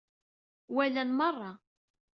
Walan meṛṛa.